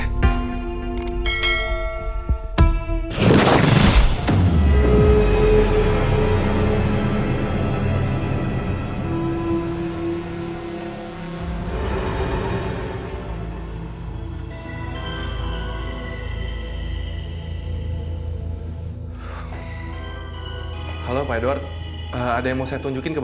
kayaknya orang orangussia di sini